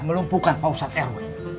melumpukan bawusat rw